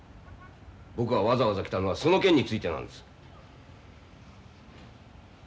僕がわざわざ来たのはその件についてなんです。